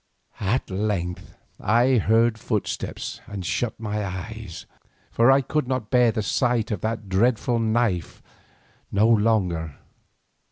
At length I heard footsteps and shut my eyes, for I could bear the sight of that dreadful knife no longer.